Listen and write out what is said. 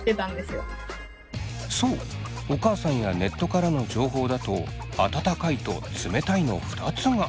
そうお母さんやネットからの情報だと「温かい」と「冷たい」の２つが。